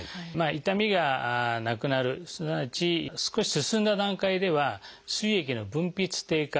痛みがなくなるすなわち少し進んだ段階ではすい液の分泌低下